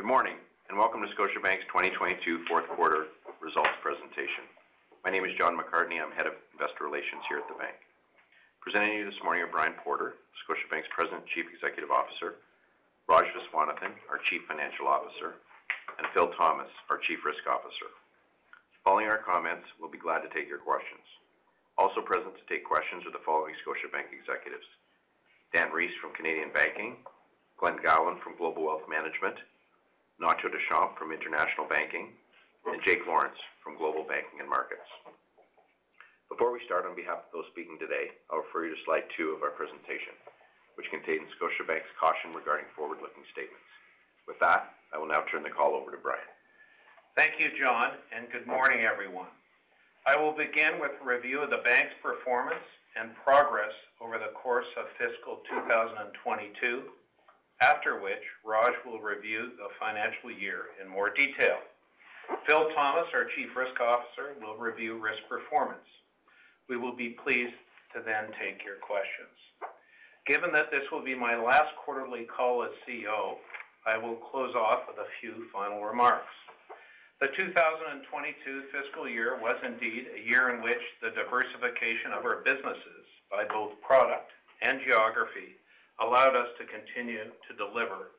Good morning, and welcome to Scotiabank's 2022 fourth quarter results presentation. My name is John McCartney. I'm Head of Investor Relations here at the bank. Presenting to you this morning are Brian Porter, Scotiabank's President and Chief Executive Officer, Raj Viswanathan, our Chief Financial Officer, and Phil Thomas, our Chief Risk Officer. Following our comments, we'll be glad to take your questions. Also present to take questions are the following Scotiabank executives: Dan Rees from Canadian Banking, Glen Gowen from Global Wealth Management, Nacho Deschamps from International Banking, and Jake Lawrence from Global Banking and Markets. Before we start, on behalf of those speaking today, I'll refer you to slide two of our presentation, which contains Scotiabank's caution regarding forward-looking statements. With that, I will now turn the call over to Brian. Thank you, John. Good morning, everyone. I will begin with a review of the bank's performance and progress over the course of fiscal 2022, after which Raj will review the financial year in more detail. Phil Thomas, our Chief Risk Officer, will review risk performance. We will be pleased to take your questions. Given that this will be my last quarterly call as CEO, I will close off with a few final remarks. The 2022 fiscal year was indeed a year in which the diversification of our businesses by both product and geography allowed us to continue to deliver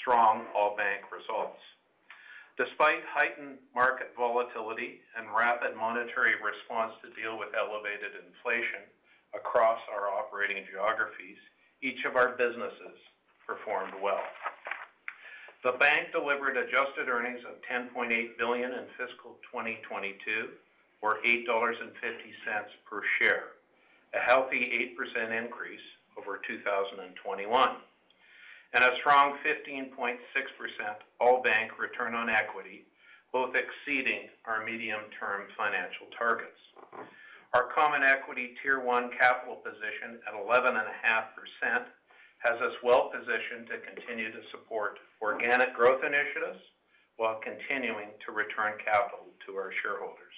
strong all bank results. Despite heightened market volatility and rapid monetary response to deal with elevated inflation across our operating geographies, each of our businesses performed well. The bank delivered adjusted earnings of 10.8 billion in fiscal 2022 or 8.50 dollars per share, a healthy 8% increase over 2021, and a strong 15.6% all bank return on equity, both exceeding our medium-term financial targets. Our Common Equity Tier 1 capital position at 11.5% has us well positioned to continue to support organic growth initiatives while continuing to return capital to our shareholders.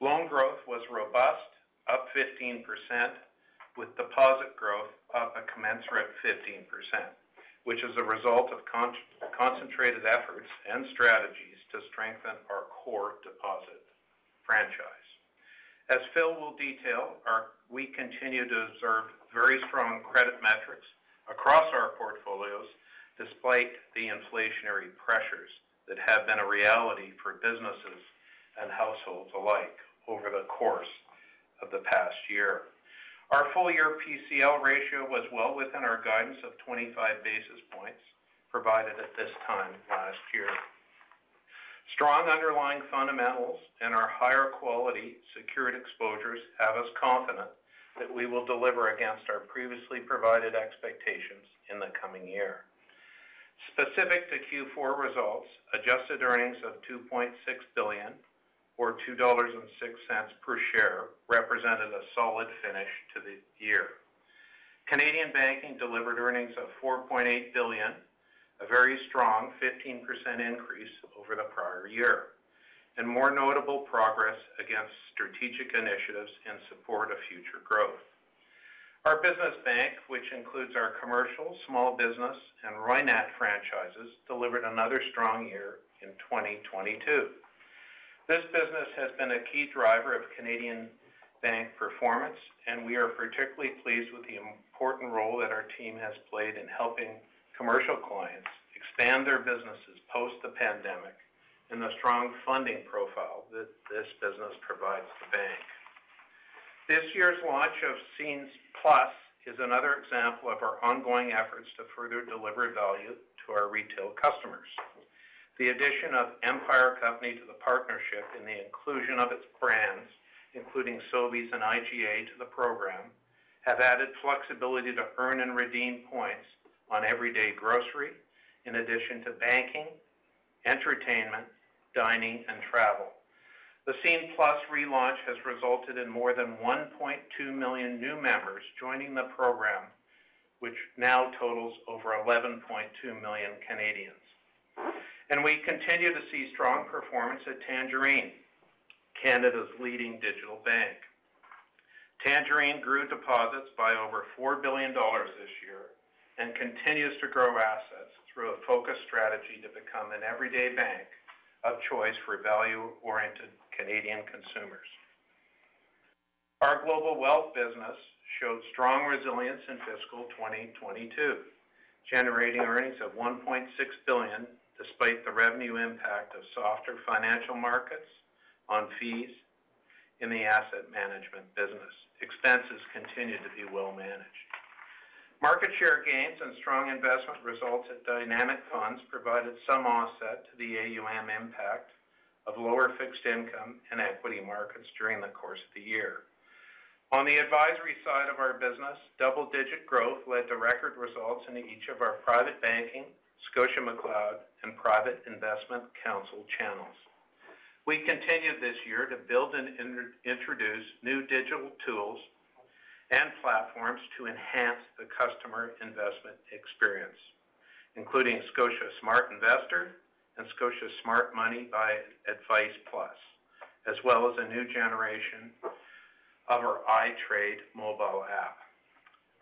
Loan growth was robust, up 15%, with deposit growth up a commensurate 15%, which is a result of concentrated efforts and strategies to strengthen our core deposit franchise. As Phil will detail, we continue to observe very strong credit metrics across our portfolios despite the inflationary pressures that have been a reality for businesses and households alike over the course of the past year. Our full year PCL ratio was well within our guidance of 25 basis points provided at this time last year. Strong underlying fundamentals and our higher quality secured exposures have us confident that we will deliver against our previously provided expectations in the coming year. Specific to Q4 results, adjusted earnings of 2.6 billion or 2.06 dollars per share represented a solid finish to the year. Canadian banking delivered earnings of 4.8 billion, a very strong 15% increase over the prior year, and more notable progress against strategic initiatives in support of future growth. Our business bank, which includes our commercial, small business, and Roynat franchises, delivered another strong year in 2022. This business has been a key driver of Canadian bank performance, and we are particularly pleased with the important role that our team has played in helping commercial clients expand their businesses post the pandemic and the strong funding profile that this business provides the bank. This year's launch of Scene+ is another example of our ongoing efforts to further deliver value to our retail customers. The addition of Empire Company to the partnership and the inclusion of its brands, including Sobeys and IGA to the program, have added flexibility to earn and redeem points on everyday grocery in addition to banking, entertainment, dining, and travel. The Scene+ relaunch has resulted in more than 1.2 million new members joining the program, which now totals over 11.2 million Canadians. We continue to see strong performance at Tangerine, Canada's leading digital bank. Tangerine grew deposits by over 4 billion dollars this year and continues to grow assets through a focused strategy to become an everyday bank of choice for value-oriented Canadian consumers. Our global wealth business showed strong resilience in fiscal 2022, generating earnings of 1.6 billion despite the revenue impact of softer financial markets on fees in the asset management business. Expenses continued to be well managed. Market share gains and strong investment results at Dynamic Funds provided some offset to the AUM impact of lower fixed income in equity markets during the course of the year. On the advisory side of our business, double-digit growth led to record results in each of our private banking, ScotiaMcLeod, and Private Investment Counsel channels. We continued this year to build and introduce new digital tools and platforms to enhance the customer investment experience, including Scotia Smart Investor and Scotia Smart Money by Advice+, as well as a new generation of our Scotia iTRADE mobile app.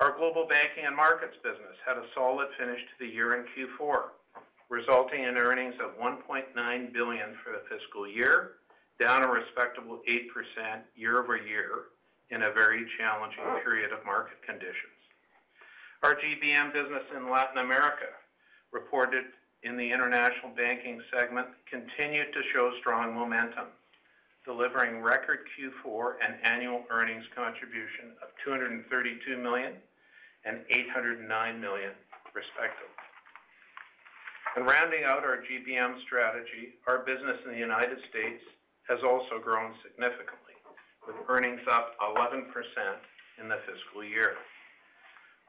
Our global banking and markets business had a solid finish to the year in Q4, resulting in earnings of 1.9 billion for the fiscal year, down a respectable 8% year-over-year in a very challenging period of market conditions. Our GBM business in Latin America, reported in the international banking segment, continued to show strong momentum, delivering record Q4 and annual earnings contribution of 232 million and 809 million respectively. Rounding out our GBM strategy, our business in the United States has also grown significantly, with earnings up 11% in the fiscal year.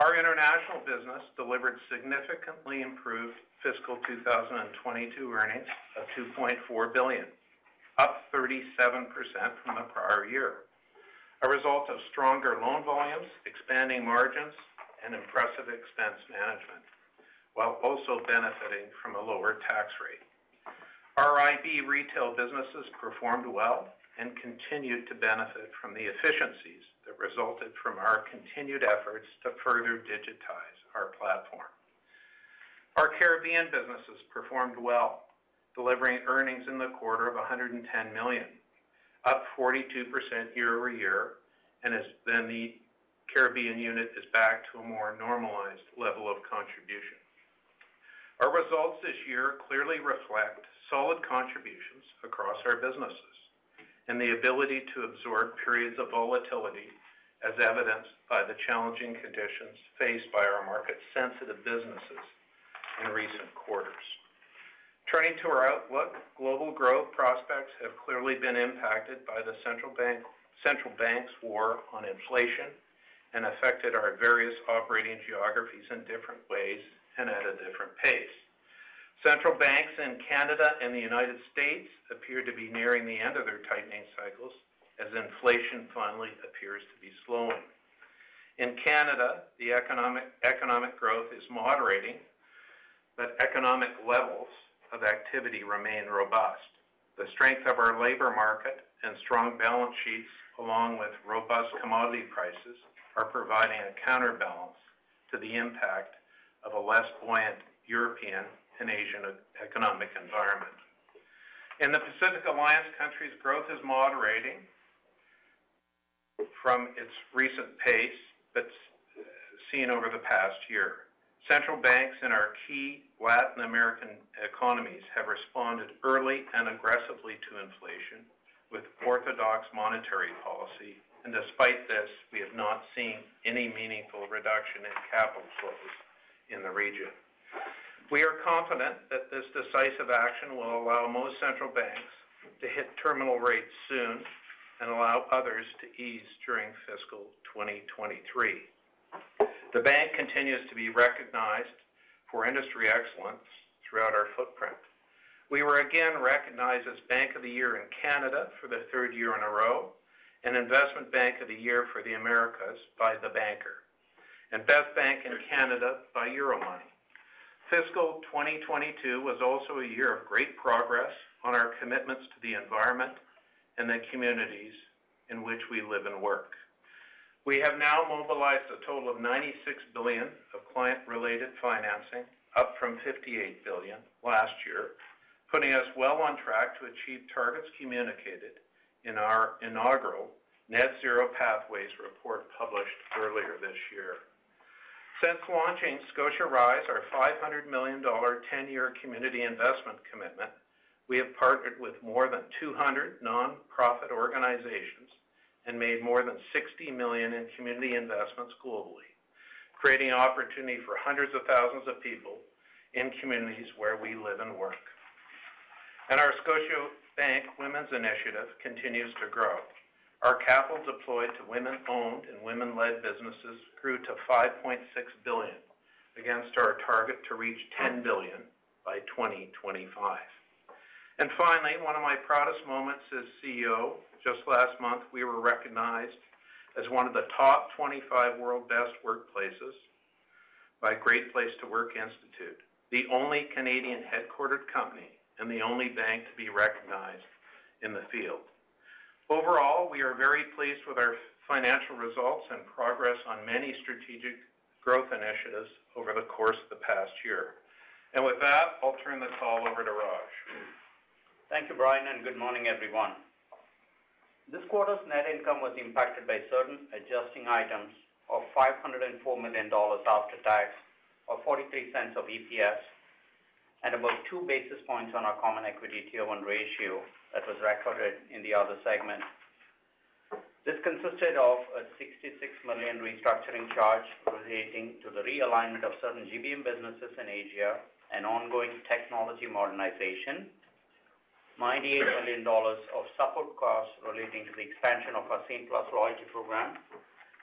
Our international business delivered significantly improved fiscal 2022 earnings of 2.4 billion, up 37% from the prior year, a result of stronger loan volumes, expanding margins, and impressive expense management, while also benefiting from a lower tax rate. Our IB retail businesses performed well and continued to benefit from the efficiencies that resulted from our continued efforts to further digitize our platform. Our Caribbean businesses performed well, delivering earnings in the quarter of 110 million, up 42% year-over-year, and as then the Caribbean unit is back to a more normalized level of contribution. Our results this year clearly reflect solid contributions across our businesses and the ability to absorb periods of volatility, as evidenced by the challenging conditions faced by our market-sensitive businesses in recent quarters. Turning to our outlook, global growth prospects have clearly been impacted by the central bank's war on inflation and affected our various operating geographies in different ways and at a different pace. Central banks in Canada and the United States appear to be nearing the end of their tightening cycles as inflation finally appears to be slowing. In Canada, the economic growth is moderating, but economic levels of activity remain robust. The strength of our labor market and strong balance sheets, along with robust commodity prices, are providing a counterbalance to the impact of a less buoyant European and Asian economic environment. In the Pacific Alliance, countries growth is moderating from its recent pace that's seen over the past year. Central banks in our key Latin American economies have responded early and aggressively to inflation with orthodox monetary policy. Despite this, we have not seen any meaningful reduction in capital flows in the region. We are confident that this decisive action will allow most central banks to hit terminal rates soon and allow others to ease during fiscal 2023. The bank continues to be recognized for industry excellence throughout our footprint. We were again recognized as Bank of the Year in Canada for the third year in a row, and Investment Bank of the Year for the Americas by The Banker, and Best Bank in Canada by Euromoney. Fiscal 2022 was also a year of great progress on our commitments to the environment and the communities in which we live and work. We have now mobilized a total of $96 billion of client-related financing, up from $58 billion last year, putting us well on track to achieve targets communicated in our inaugural Net-Zero Pathways report published earlier this year. Since launching Scotia Rise, our $500 million 10-year community investment commitment, we have partnered with more than 200 non-profit organizations and made more than $60 million in community investments globally, creating opportunity for hundreds of thousands of people in communities where we live and work. Our Scotiabank Women's Initiative continues to grow. Our capital deployed to women-owned and women-led businesses grew to $5.6 billion against our target to reach $10 billion by 2025. Finally, one of my proudest moments as CEO, just last month, we were recognized as one of the top 25 World Best Workplaces by Great Place to Work Institute, the only Canadian headquartered company and the only bank to be recognized in the field. Overall, we are very pleased with our financial results and progress on many strategic growth initiatives over the course of the past year. With that, I'll turn this all over to Raj. Thank you, Brian, and good morning, everyone. This quarter's net income was impacted by certain adjusting items of 504 million dollars after tax, or 0.43 of EPS, and about 2 basis points on our Common Equity Tier 1 ratio that was recorded in the other segment. This consisted of a 66 million restructuring charge relating to the realignment of certain GBM businesses in Asia and ongoing technology modernization, 98 million dollars of support costs relating to the expansion of our Scene+ loyalty program,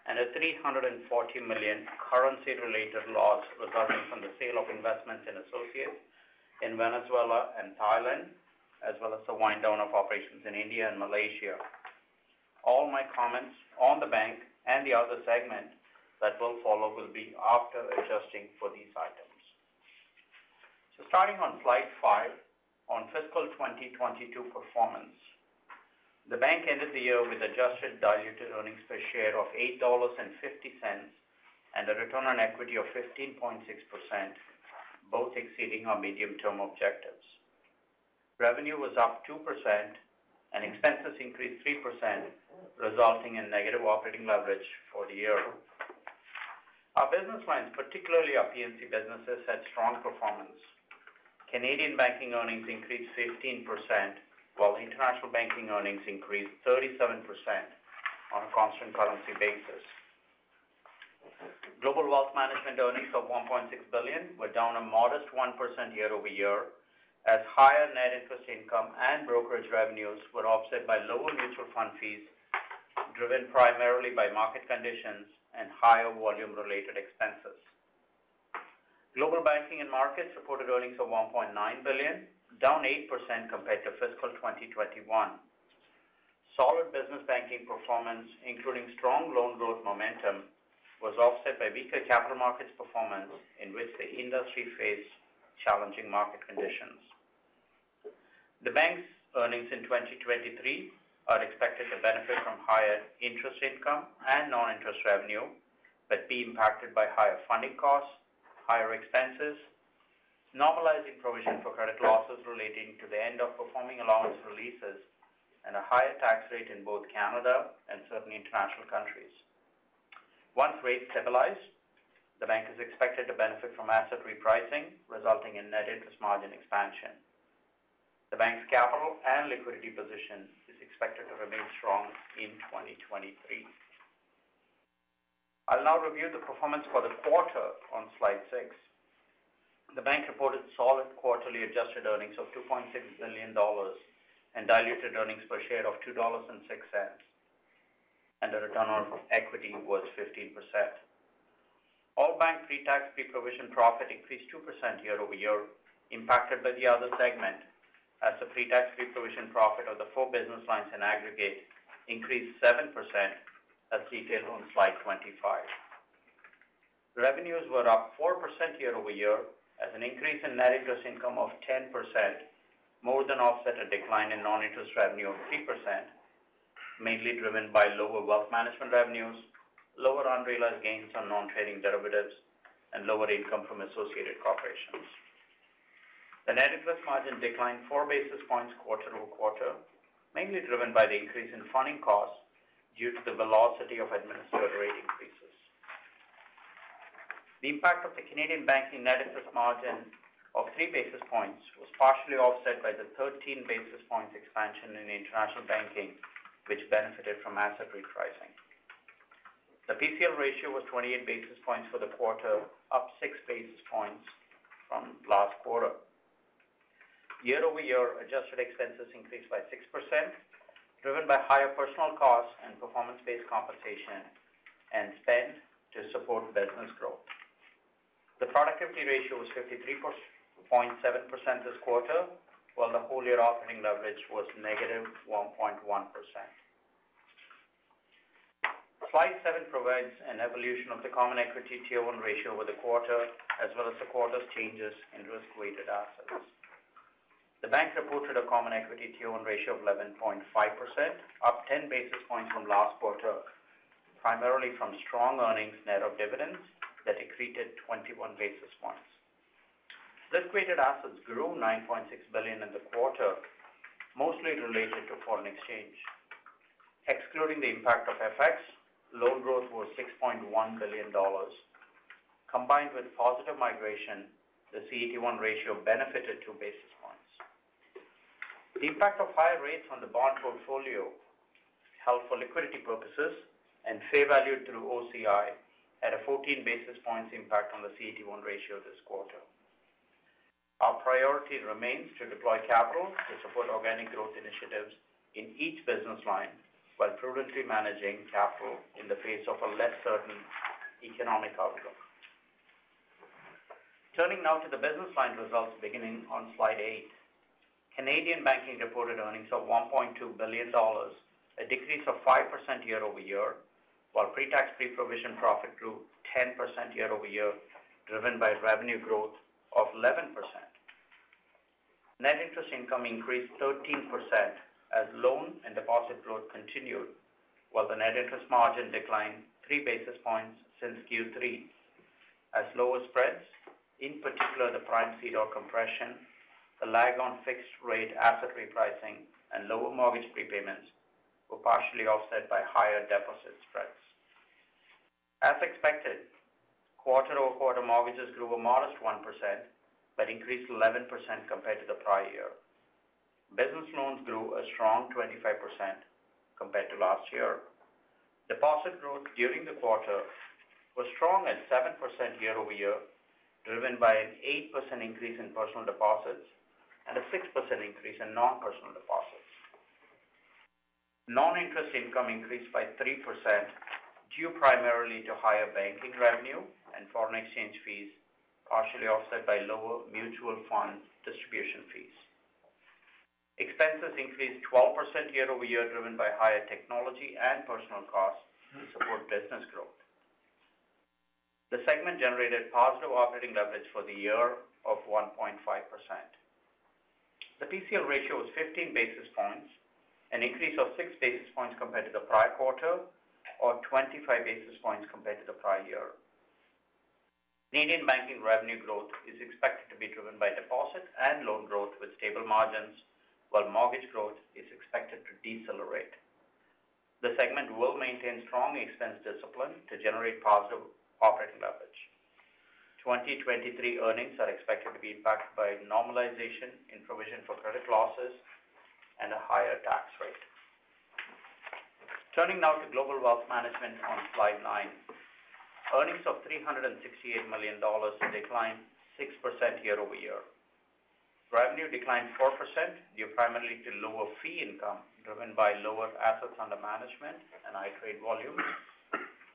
and a 340 million currency-related loss resulting from the sale of investments in associates in Venezuela and Thailand, as well as the wind down of operations in India and Malaysia. All my comments on the bank and the other segment that will follow will be after adjusting for these items. Starting on slide five, on fiscal 2022 performance. The bank ended the year with adjusted diluted earnings per share of CAD $8.50, and a return on equity of 15.6%, both exceeding our medium-term objectives. Revenue was up 2% and expenses increased 3%, resulting in negative operating leverage for the year. Our business lines, particularly our P&C businesses, had strong performance. Canadian banking earnings increased 15%, while international banking earnings increased 37% on a constant currency basis. Global wealth management earnings of CAD $1.6 billion were down a modest 1% year-over-year, as higher net interest income and brokerage revenues were offset by lower mutual fund fees, driven primarily by market conditions and higher volume-related expenses. Global banking and markets reported earnings of CAD $1.9 billion, down 8% compared to fiscal 2021. Solid business banking performance, including strong loan growth momentum, was offset by weaker capital markets performance, in which the industry faced challenging market conditions. The bank's earnings in 2023 are expected to benefit from higher interest income and non-interest revenue, but be impacted by higher funding costs, higher expenses, normalizing provision for credit losses relating to the end of performing allowance releases, and a higher tax rate in both Canada and certain international countries. Once rates stabilize, the bank is expected to benefit from asset repricing, resulting in net interest margin expansion. The bank's capital and liquidity position is expected to remain strong in 2023. I'll now review the performance for the quarter on slide 6. The bank reported solid quarterly adjusted earnings of 2.6 billion dollars and diluted earnings per share of 2.06 dollars, and the return on equity was 15%. All bank pre-tax, pre-provision profit increased 2% year-over-year, impacted by the other segment as the pre-tax, pre-provision profit of the four business lines in aggregate increased 7%, as detailed on slide 25. Revenues were up 4% year-over-year as an increase in net interest income of 10% more than offset a decline in non-interest revenue of 3%, mainly driven by lower wealth management revenues, lower unrealized gains on non-trading derivatives, and lower income from associated corporations. The net interest margin declined 4 basis points quarter-over-quarter, mainly driven by the increase in funding costs due to the velocity of administered rate increases. The impact of the Canadian banking net interest margin of 3 basis points was partially offset by the 13 basis points expansion in international banking, which benefited from asset repricing. The PCL ratio was 28 basis points for the quarter, up 6 basis points from last quarter. Year-over-year adjusted expenses increased by 6%, driven by higher personal costs and performance-based compensation, and spend to support business growth. The productivity ratio was 53.7% this quarter, while the full-year operating leverage was negative 1.1%. Slide seven provides an evolution of the Common Equity Tier 1 ratio with the quarter, as well as the quarter's changes in risk-weighted assets. The bank reported a Common Equity Tier 1 ratio of 11.5%, up 10 basis points from last quarter, primarily from strong earnings net of dividends that accreted 21 basis points. Risk-weighted assets grew 9.6 billion in the quarter, mostly related to foreign exchange. Excluding the impact of FX, loan growth was 6.1 billion dollars. Combined with positive migration, the CET1 ratio benefited 2 basis points. The impact of higher rates on the bond portfolio held for liquidity purposes and fair valued through OCI, had a 14 basis points impact on the CET1 ratio this quarter. Our priority remains to deploy capital to support organic growth initiatives in each business line while prudently managing capital in the face of a less certain economic outcome. Turning now to the business line results beginning on slide eight. Canadian Banking reported earnings of 1.2 billion dollars, a decrease of 5% year-over-year, while pre-tax, pre-provision profit grew 10% year-over-year, driven by revenue growth of 11%. Net interest income increased 13% as loan and deposit growth continued, while the net interest margin declined 3 basis points since Q3 as lower spreads, in particular, the Prime-CDOR compression, the lag on fixed rate asset repricing and lower mortgage prepayments were partially offset by higher deposit spreads. As expected, quarter-over-quarter mortgages grew a modest 1% but increased 11% compared to the prior year. Business loans grew a strong 25% compared to last year. Deposit growth during the quarter was strong at 7% year-over-year, driven by an 8% increase in personal deposits and a 6% increase in non-personal deposits. Non-interest income increased by 3% due primarily to higher banking revenue and foreign exchange fees, partially offset by lower mutual fund distribution. Expenses increased 12% year-over-year, driven by higher technology and personal costs to support business growth. The segment generated positive operating leverage for the year of 1.5%. The PCL ratio was 15 basis points, an increase of 6 basis points compared to the prior quarter, or 25 basis points compared to the prior year. The Indian banking revenue growth is expected to be driven by deposit and loan growth with stable margins, while mortgage growth is expected to decelerate. The segment will maintain strong expense discipline to generate positive operating leverage. 2023 earnings are expected to be impacted by normalization in provision for credit losses and a higher tax rate. Turning now to global wealth management on slide nine. Earnings of 368 million dollars declined 6% year-over-year. Revenue declined 4% due primarily to lower fee income, driven by lower assets under management and high trade volumes,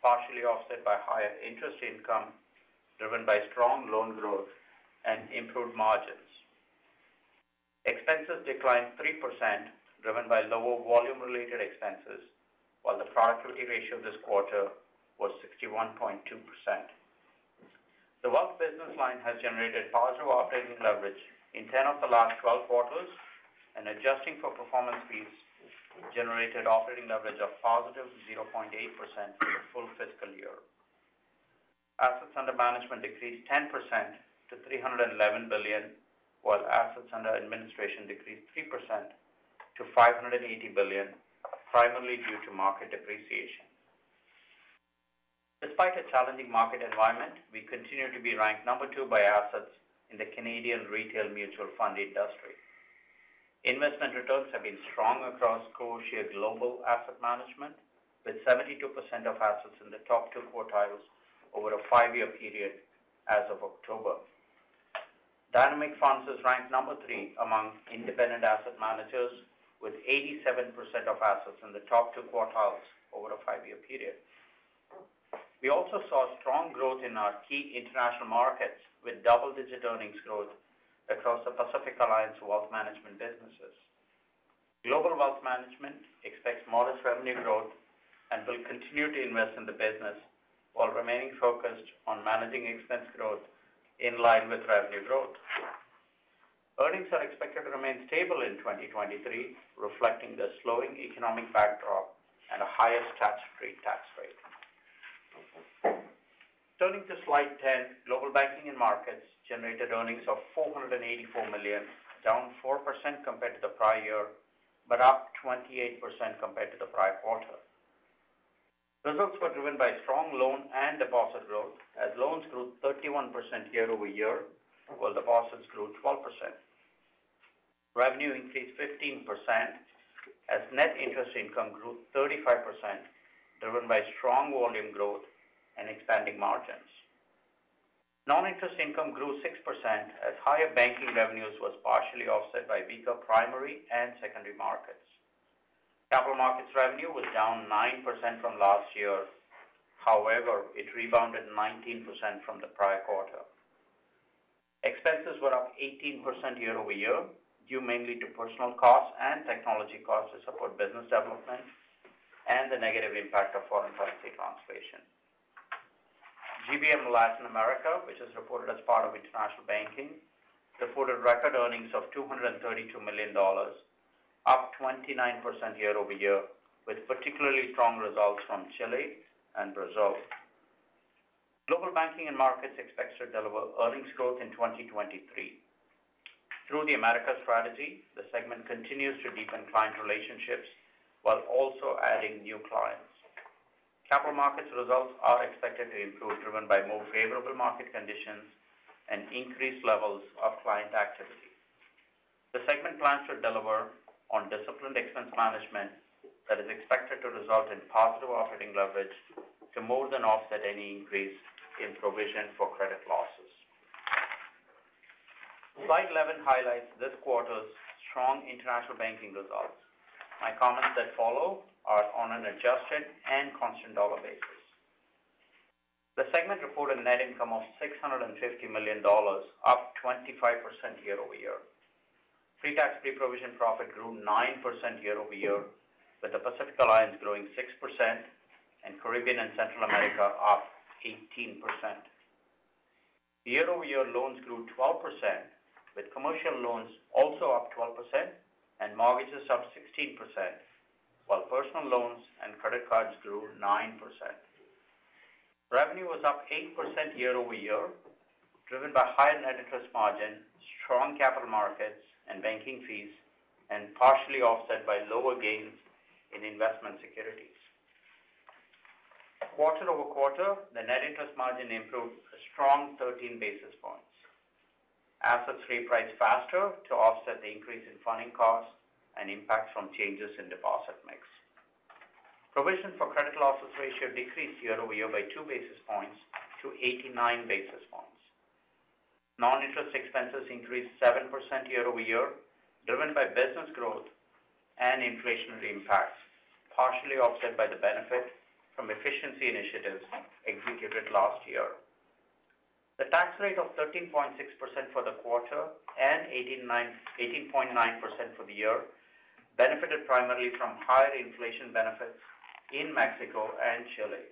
partially offset by higher interest income, driven by strong loan growth and improved margins. Expenses declined 3% driven by lower volume related expenses, while the productivity ratio this quarter was 61.2%. The wealth business line has generated positive operating leverage in 10 of the last 12 quarters and adjusting for performance fees generated operating leverage of positive 0.8% for the full fiscal year. Assets under management decreased 10% to 311 billion, while assets under administration decreased 3% to 580 billion, primarily due to market depreciation. Despite a challenging market environment, we continue to be ranked number 2 by assets in the Canadian retail mutual fund industry. Investment returns have been strong across Scotia Global Asset Management, with 72% of assets in the top two quartiles over a five-year period as of October. Dynamic Funds is ranked number three among independent asset managers with 87% of assets in the top two quartiles over a five-year period. We also saw strong growth in our key international markets with double-digit earnings growth across the Pacific Alliance wealth management businesses. Global Wealth Management expects modest revenue growth and will continue to invest in the business while remaining focused on managing expense growth in line with revenue growth. Earnings are expected to remain stable in 2023, reflecting the slowing economic backdrop and a higher statutory tax rate. Turning to slide 10, Global Banking and Markets generated earnings of 484 million, down 4% compared to the prior year, but up 28% compared to the prior quarter. Results were driven by strong loan and deposit growth as loans grew 31% year-over-year, while deposits grew 12%. Revenue increased 15% as net interest income grew 35%, driven by strong volume growth and expanding margins. Non-interest income grew 6% as higher banking revenues was partially offset by weaker primary and secondary markets. Capital markets revenue was down 9% from last year. However, it rebounded 19% from the prior quarter. Expenses were up 18% year-over-year, due mainly to personal costs and technology costs to support business development and the negative impact of foreign currency translation. GBM Latin America, which is reported as part of international banking, reported record earnings of 232 million dollars, up 29% year-over-year, with particularly strong results from Chile and Brazil. Global Banking and Markets expects to deliver earnings growth in 2023. Through the Americas Strategy, the segment continues to deepen client relationships while also adding new clients. Capital markets results are expected to improve, driven by more favorable market conditions and increased levels of client activity. The segment plans to deliver on disciplined expense management that is expected to result in positive operating leverage to more than offset any increase in provision for credit losses. Slide 11 highlights this quarter's strong international banking results. My comments that follow are on an adjusted and constant dollar basis. The segment reported a net income of 650 million dollars, up 25% year-over-year. Pre-tax, pre-provision profit grew 9% year-over-year, with the Pacific Alliance growing 6% and Caribbean and Central America up 18%. Year-over-year loans grew 12%, with commercial loans also up 12% and mortgages up 16%, while personal loans and credit cards grew 9%. Revenue was up 8% year-over-year, driven by higher net interest margin, strong capital markets and banking fees, and partially offset by lower gains in investment securities. Quarter-over-quarter, the net interest margin improved a strong 13 basis points. Assets repriced faster to offset the increase in funding costs and impacts from changes in deposit mix. Provision for credit losses ratio decreased year-over-year by 2 basis points to 89 basis points. Non-interest expenses increased 7% year-over-year, driven by business growth and inflationary impacts partially offset by the benefit from efficiency initiatives executed last year. The tax rate of 13.6% for the quarter and 18.9% for the year benefited primarily from higher inflation benefits in Mexico and Chile.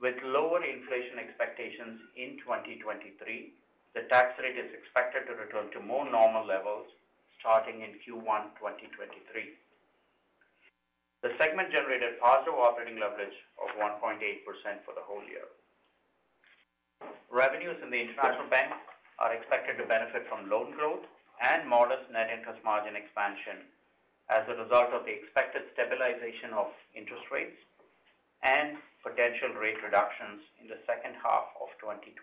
With lower inflation expectations in 2023, the tax rate is expected to return to more normal levels starting in Q1 2023. The segment generated positive operating leverage of 1.8% for the whole year. Revenues in the international bank are expected to benefit from loan growth and modest net interest margin expansion as a result of the expected stabilization of interest rates and potential rate reductions in the second half of 2023.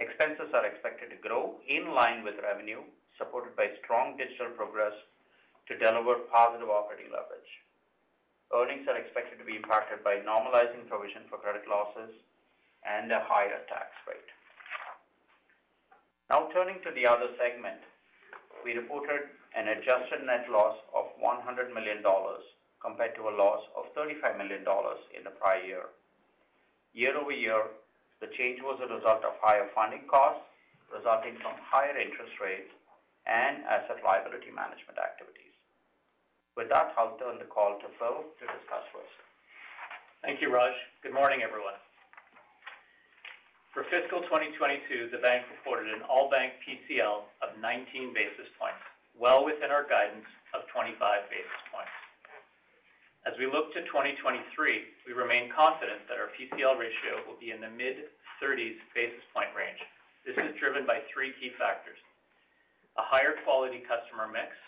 Expenses are expected to grow in line with revenue supported by strong digital progress to deliver positive operating leverage. Earnings are expected to be impacted by normalizing provision for credit losses and a higher tax rate. Turning to the other segment. We reported an adjusted net loss of 100 million dollars compared to a loss of 35 million dollars in the prior year. Year-over-year, the change was a result of higher funding costs resulting from higher interest rates and asset liability management activities. With that, I'll turn the call to Phil to discuss risks. Thank you, Raj. Good morning, everyone. For fiscal 2022, the bank reported an all bank PCL of 19 basis points, well within our guidance of 25 basis points. We look to 2023, we remain confident that our PCL ratio will be in the mid-thirties basis point range. This is driven by three key factors: a higher quality customer mix,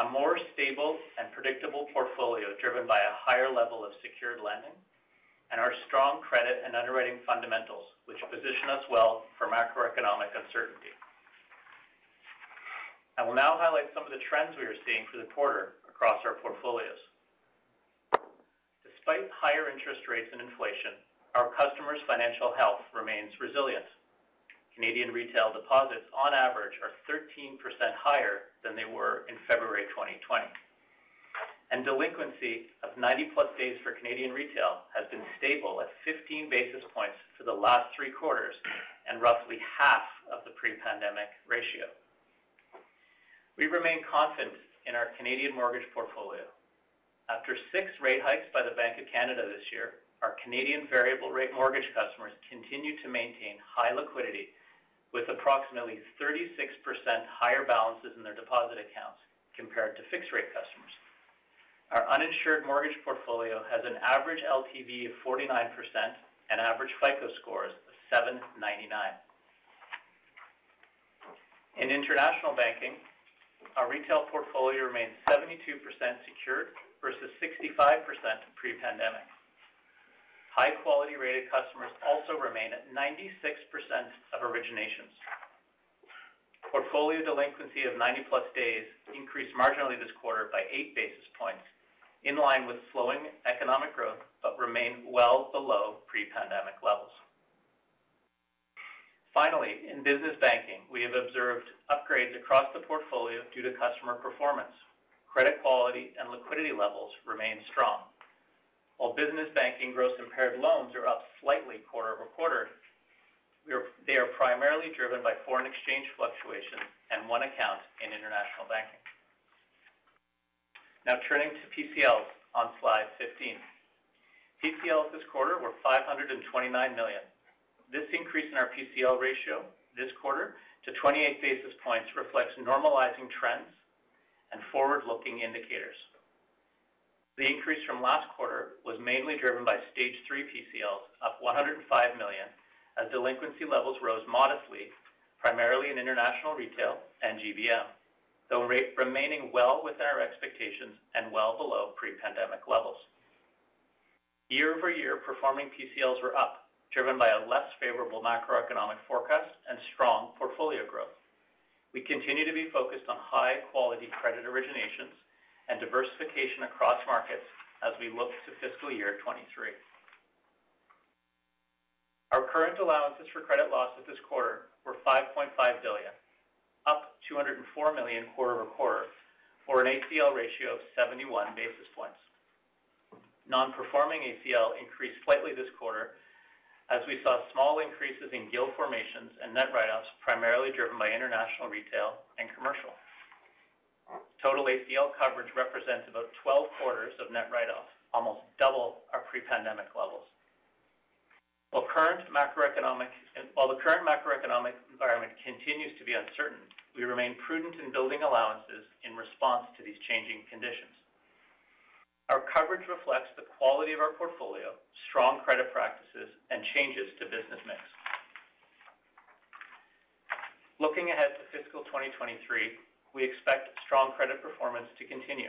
a more stable and predictable portfolio driven by a higher level of secured lending, and our strong credit and underwriting fundamentals, which position us well for macroeconomic uncertainty. I will now highlight some of the trends we are seeing for the quarter across our portfolios. Despite higher interest rates and inflation, our customers' financial health remains resilient. Canadian retail deposits, on average, are 13% higher than they were in February 2020. Delinquency of 90+ days for Canadian retail has been stable at 15 basis points for the last three quarters and roughly half of the pre-pandemic ratio. We remain confident in our Canadian mortgage portfolio. After six rate hikes by the Bank of Canada this year, our Canadian variable rate mortgage customers continue to maintain high liquidity with approximately 36% higher balances in their deposit accounts compared to fixed rate customers. Our uninsured mortgage portfolio has an average LTV of 49% and average FICO scores of 799. In international banking, our retail portfolio remains 72% secured versus 65% pre-pandemic. High quality rated customers also remain at 96% of originations. Portfolio delinquency of 90-plus days increased marginally this quarter by 8 basis points in line with slowing economic growth but remain well below pre-pandemic levels. Finally, in business banking, we have observed upgrades across the portfolio due to customer performance. Credit quality and liquidity levels remain strong. While business banking gross impaired loans are up slightly quarter-over-quarter, they are primarily driven by foreign exchange fluctuations and one account in international banking. Now turning to PCLs on slide 15. PCLs this quarter were 529 million. This increase in our PCL ratio this quarter to 28 basis points reflects normalizing trends and forward-looking indicators. The increase from last quarter was mainly driven by stage 3 PCLs of 105 million, as delinquency levels rose modestly, primarily in international retail and GBM, though remaining well within our expectations and well below pre-pandemic levels. Year-over-year, performing PCLs were up, driven by a less favorable macroeconomic forecast and strong portfolio growth. We continue to be focused on high-quality credit originations and diversification across markets as we look to fiscal year 2023. Our current allowances for credit losses this quarter were 5.5 billion, up 204 million quarter-over-quarter, for an ACL ratio of 71 basis points. Non-performing ACL increased slightly this quarter as we saw small increases in GIL formations and net write-offs, primarily driven by international retail and commercial. Total ACL coverage represents about 12 quarters of net write-offs, almost double our pre-pandemic levels. While the current macroeconomic environment continues to be uncertain, we remain prudent in building allowances in response to these changing conditions. Our coverage reflects the quality of our portfolio, strong credit practices, and changes to business mix. Looking ahead to fiscal 2023, we expect strong credit performance to continue.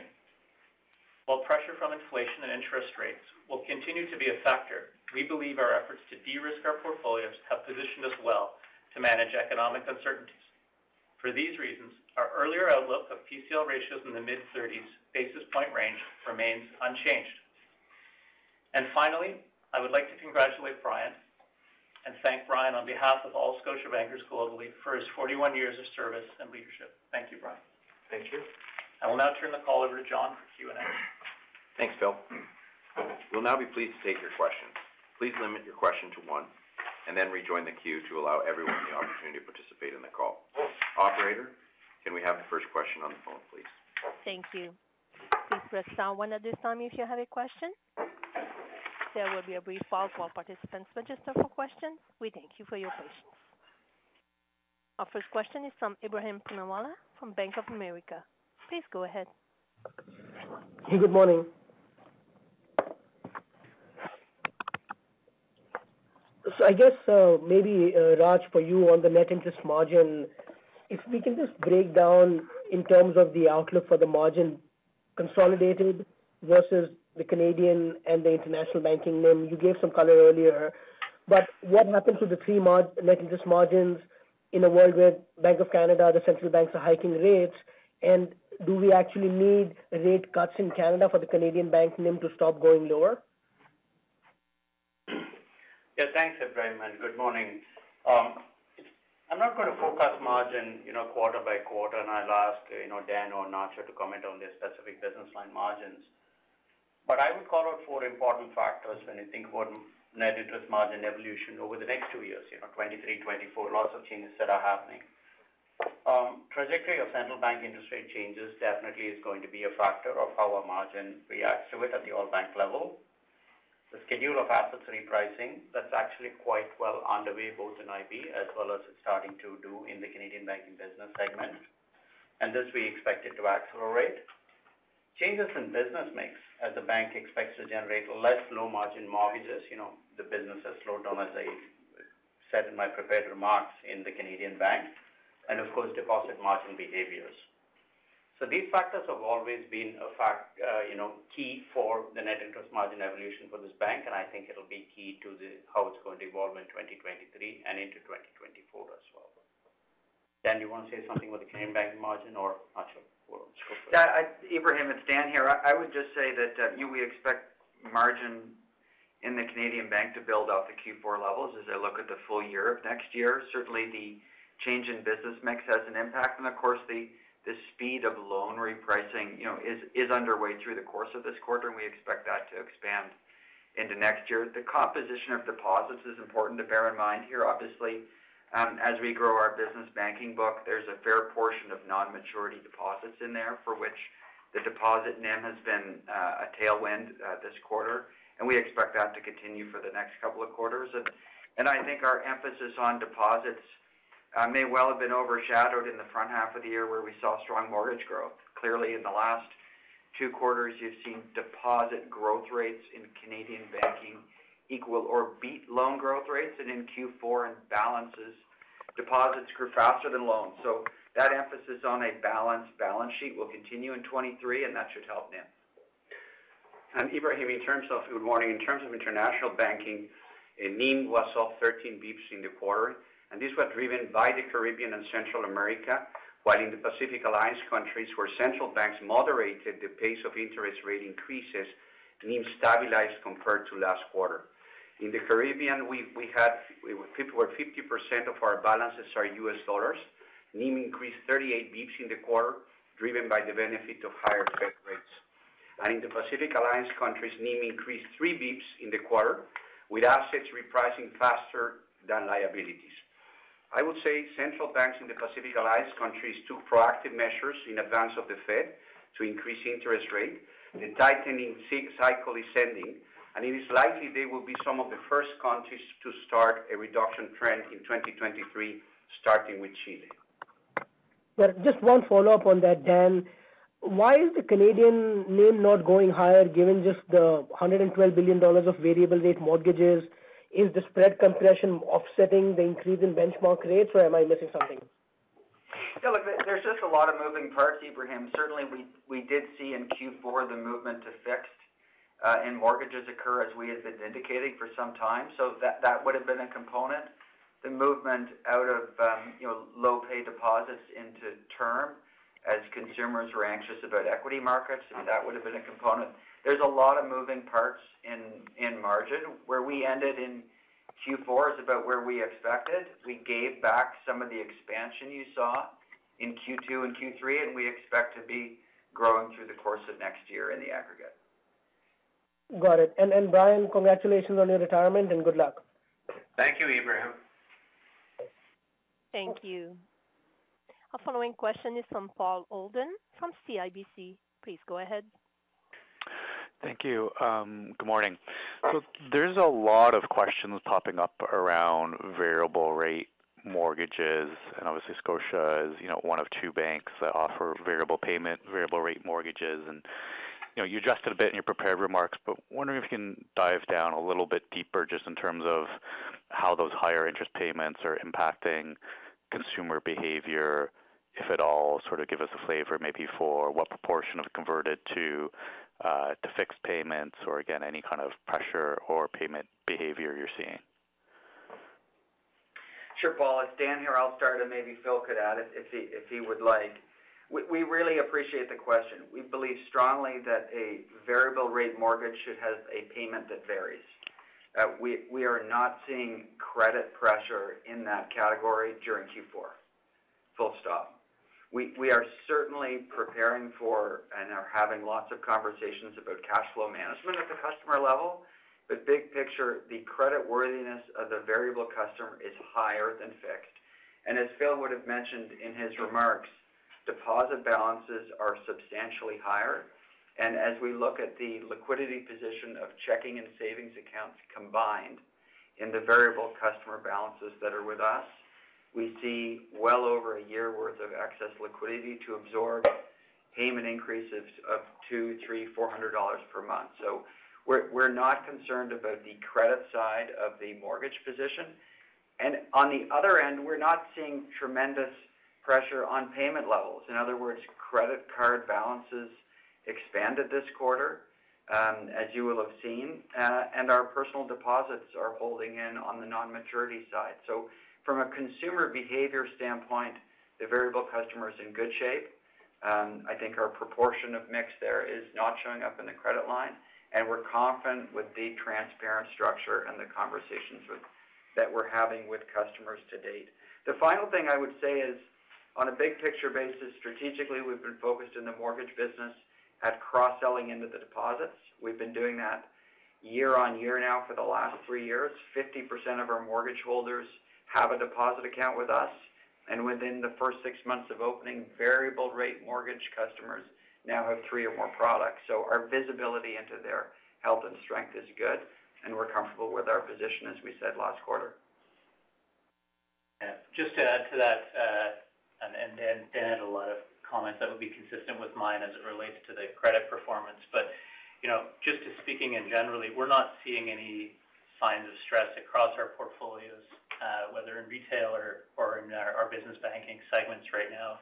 While pressure from inflation and interest rates will continue to be a factor, we believe our efforts to de-risk our portfolios have positioned us well to manage economic uncertainties. For these reasons, our earlier outlook of PCL ratios in the mid-thirties basis point range remains unchanged. Finally, I would like to congratulate Brian and thank Brian on behalf of all Scotiabankers globally for his 41 years of service and leadership. Thank you, Brian. Thank you. I will now turn the call over to John for Q&A. Thanks, Phil. We'll now be pleased to take your questions. Please limit your question to one and then rejoin the queue to allow everyone the opportunity to participate in the call. Operator, can we have the first question on the phone, please? Thank you. Please press star one at this time if you have a question. There will be a brief pause while participants register for questions. We thank you for your patience. Our first question is from Ebrahim Poonawala from Bank of America. Please go ahead. Hey, good morning. I guess, maybe, Raj, for you on the net interest margin, if we can just break down in terms of the outlook for the margin consolidated versus the Canadian and the international banking NIM. You gave some color earlier. What happened to the three net interest margins in a world where Bank of Canada, the central banks are hiking rates, and do we actually need rate cuts in Canada for the Canadian bank NIM to stop going lower? Yeah. Thanks, Ebrahim. Good morning. I'm not going to forecast margin, you know, quarter by quarter. I'll ask, you know, Dan or Nacho to comment on their specific business line margins. I would call out four important factors when you think about net interest margin evolution over the next two years, you know, 2023, 2024, lots of changes that are happening. Trajectory of central bank industry changes definitely is going to be a factor of how our margin reacts to it at the all bank level. The schedule of assets repricing, that's actually quite well underway, both in IB as well as it's starting to do in the Canadian Banking business segment. This we expect it to accelerate. Changes in business mix as the bank expects to generate less low margin mortgages. You know, the business has slowed down, as I said in my prepared remarks in the Canadian bank, and of course, deposit margin behaviors. These factors have always been a fact, you know, key for the net interest margin evolution for this bank, and I think it'll be key to how it's going to evolve in 2023 and into 2024 as well. Dan, do you want to say something about the Canadian banking margin or Nacho? Go for it. Yeah, Ebrahim, it's Dan here. I would just say that, you know, we expect margin in the Canadian Bank to build off the Q4 levels as I look at the full year of next year. Certainly, the change in business mix has an impact. Of course, the speed of loan repricing, you know, is underway through the course of this quarter, and we expect that to expand into next year. The composition of deposits is important to bear in mind here. Obviously, as we grow our business banking book, there's a fair portion of non-maturity deposits in there for which the deposit NIM has been a tailwind this quarter, and we expect that to continue for the next couple of quarters. I think our emphasis on deposits may well have been overshadowed in the front half of the year where we saw strong mortgage growth. In the last 2 quarters, you've seen deposit growth rates in Canadian Banking equal or beat loan growth rates. In Q4, in balances, deposits grew faster than loans. That emphasis on a balanced balance sheet will continue in 2023, and that should help NIM. Ebrahim, good morning. In terms of international banking, NIM was off 13 bps in the quarter, this was driven by the Caribbean and Central America, while in the Pacific Alliance countries where central banks moderated the pace of interest rate increases, NIM stabilized compared to last quarter. In the Caribbean, where 50% of our balances are U.S. dollars, NIM increased 38 bps in the quarter, driven by the benefit of higher Fed rates. In the Pacific Alliance countries, NIM increased 3 bps in the quarter, with assets repricing faster than liabilities. I would say central banks in the Pacific Alliance countries took proactive measures in advance of the Fed to increase interest rate. The tightening cycle is ending, and it is likely they will be some of the first countries to start a reduction trend in 2023, starting with Chile. Well, just one follow-up on that, Dan. Why is the Canadian NIM not going higher given just the 112 billion dollars of variable rate mortgages? Is the spread compression offsetting the increase in benchmark rates, or am I missing something? No, look, there's just a lot of moving parts, Ebrahim. Certainly, we did see in Q4 the movement to fixed in mortgages occur as we had been indicating for some time. That would have been a component. The movement out of, you know, low pay deposits into term as consumers were anxious about equity markets, that would have been a component. There's a lot of moving parts in margin. Where we ended in Q4 is about where we expected. We gave back some of the expansion you saw in Q2 and Q3, we expect to be growing through the course of next year in the aggregate. Got it. Brian, congratulations on your retirement, and good luck. Thank you, Ebrahim. Thank you. Our following question is from Paul Holden from CIBC. Please go ahead. Thank you. Good morning. There's a lot of questions popping up around variable rate mortgages, and obviously Scotia is, you know, one of two banks that offer variable payment, variable rate mortgages. You know, you addressed it a bit in your prepared remarks, but wondering if you can dive down a little bit deeper just in terms of how those higher interest payments are impacting consumer behavior, if at all, sort of give us a flavor maybe for what proportion have converted to fixed payments or again, any kind of pressure or payment behavior you're seeing? Sure, Paul. If Dan here, I'll start, and maybe Phil could add if he would like. We really appreciate the question. We believe strongly that a variable rate mortgage should have a payment that varies. We are not seeing credit pressure in that category during Q4, full stop. We are certainly preparing for and are having lots of conversations about cash flow management at the customer level. Big picture, the creditworthiness of the variable customer is higher than fixed. As Phil would have mentioned in his remarks, deposit balances are substantially higher. As we look at the liquidity position of checking and savings accounts combined and the variable customer balances that are with us, we see well over a year worth of excess liquidity to absorb payment increases of 200, 300, 400 dollars per month. We're not concerned about the credit side of the mortgage position. On the other end, we're not seeing tremendous pressure on payment levels. In other words, credit card balances expanded this quarter, as you will have seen, and our personal deposits are holding in on the non-maturity side. From a consumer behavior standpoint, the variable customer is in good shape. I think our proportion of mix there is not showing up in the credit line, and we're confident with the transparent structure and the conversations that we're having with customers to date. The final thing I would say is, on a big picture basis, strategically, we've been focused in the mortgage business at cross-selling into the deposits. We've been doing that year-over-year now for the last three years. 50% of our mortgage holders have a deposit account with us, and within the first 6 months of opening, variable rate mortgage customers now have three or more products. Our visibility into their health and strength is good, and we're comfortable with our position, as we said last quarter. Just to add to that, and add a lot of comments that would be consistent with mine as it relates to the credit performance. You know, just to speaking in generally, we're not seeing any signs of stress across our portfolios, whether in retail or in our business banking segments right now.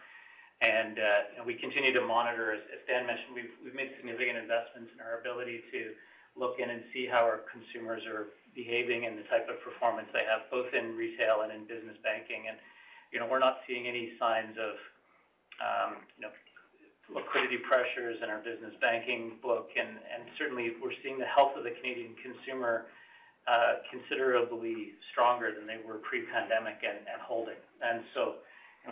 We continue to monitor. As Dan mentioned, we've made significant investments in our ability to look in and see how our consumers are behaving and the type of performance they have, both in retail and in business banking. You know, we're not seeing any signs of, you know, liquidity pressures in our business banking book. Certainly we're seeing the health of the Canadian consumer considerably stronger than they were pre-pandemic and holding.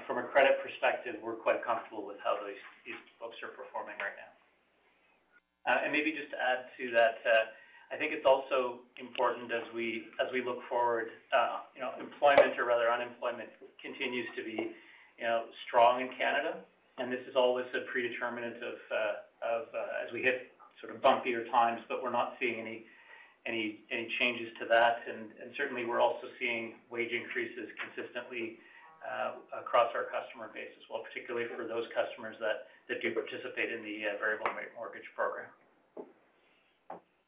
From a credit perspective, we're quite comfortable with how these folks are performing right now. Maybe just to add to that, I think it's also important as we look forward, you know, employment or rather unemployment continues to be, you know, strong in Canada. This is always a predeterminate of as we hit sort of bumpier times, but we're not seeing any changes to that. Certainly we're also seeing wage increases consistently across our customer base as well, particularly for those customers that do participate in the variable rate mortgage program.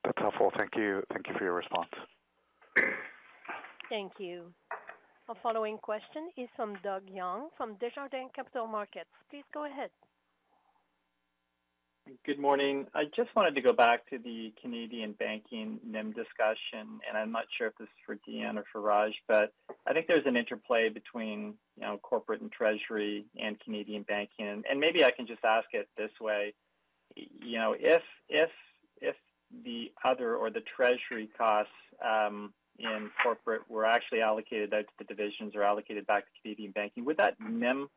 That's helpful. Thank you. Thank you for your response. Thank you. Our following question is from Doug Young from Desjardins Capital Markets. Please go ahead. Good morning. I just wanted to go back to the Canadian Banking NIM discussion. I'm not sure if this is for Dan or for Raj, but I think there's an interplay between, you know, Corporate and Treasury and Canadian Banking. Maybe I can just ask it this way, you know, if the other or the Treasury costs in Corporate were actually allocated out to the divisions or allocated back to Canadian Banking, would that NIM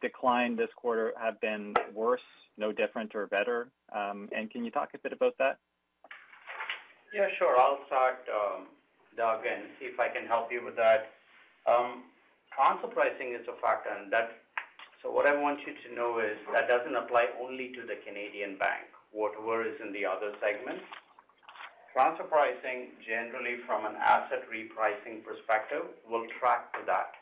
decline this quarter have been worse, no different or better? Can you talk a bit about that? Yeah, sure. I'll start, Doug, see if I can help you with that. Transfer pricing is a factor. What I want you to know is that doesn't apply only to the Canadian bank. Whatever is in the other segment. Transfer pricing, generally from an asset repricing perspective, will track to that.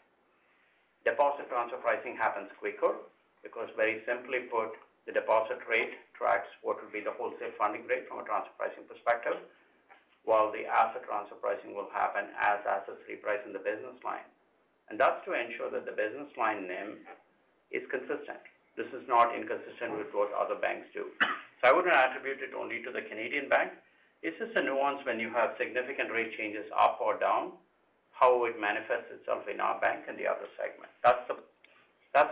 Deposit transfer pricing happens quicker because very simply put, the deposit rate tracks what would be the wholesale funding rate from a transfer pricing perspective, while the asset transfer pricing will happen as assets reprice in the business line. That's to ensure that the business line NIM is consistent. This is not inconsistent with what other banks do. I wouldn't attribute it only to the Canadian bank. It's just a nuance when you have significant rate changes up or down, how it manifests itself in our bank and the other segment. That's